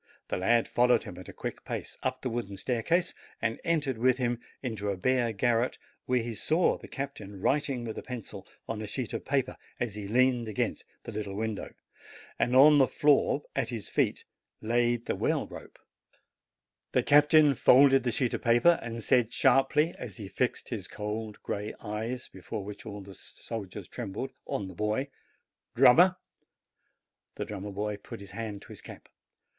The lad followed him at a quick pace up the wooden staircase, and entered with him into a bare garret, where he saw the captain writing with a pencil on a sheet of paper, as he leaned against the little window ; and on the floor at his feet lay the well rope. ioo JANUARY The captain folded the sheet of paper, and said sharply, as he fixed his cold, gray eyes, before which all the soldiers trembled, on the boy : "Drummer!" The drummer boy put his hand to his cap.